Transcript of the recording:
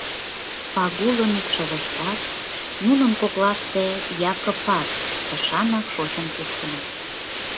Пагулын икшывыштат, нунын коклаште Якыпат, тышанак шочын-кушкыныт.